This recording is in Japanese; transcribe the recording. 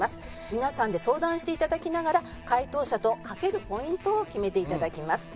皆さんで相談して頂きながら解答者と賭けるポイントを決めて頂きます。